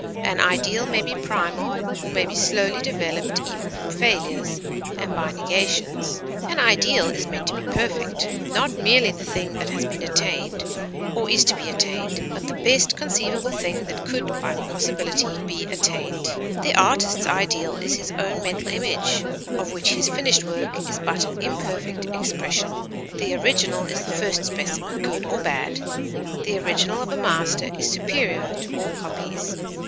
An ideal may be primal, or may be slowly developed even from failures and by negations; an ideal is meant to be perfect, not merely the thing that has been attained or is to be attained, but the best conceivable thing that could by possibility be attained. The artist's ideal is his own mental image, of which his finished work is but an imperfect expression. The original is the first specimen, good or bad; the original of a master is superior to all copies.